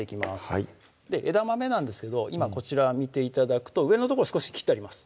はい枝豆なんですけど今こちら見て頂くと上の所少し切ってあります